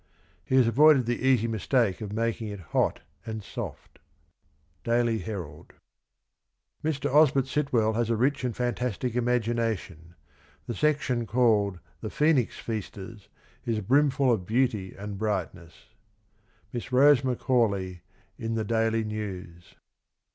He has avoided the easy mistake of making it hot and soft." — Daily Herald. " Mr. Osbert Sitwell has a rich and fantastic imagination. The section called ' The Phoenix Feasters ' is brimful of beauty and brightness." — Miss Rose Macauley in the Daily News.